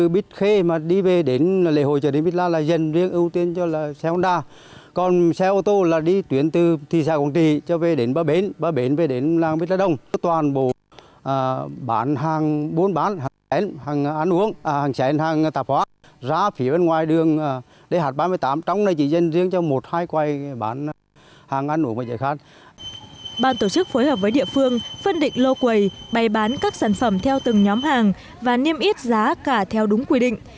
bàn tổ chức phối hợp với địa phương phân định lô quầy bày bán các sản phẩm theo từng nhóm hàng và niêm ít giá cả theo đúng quy định